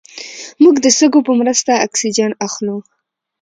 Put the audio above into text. موږ د سږو په مرسته اکسیجن اخلو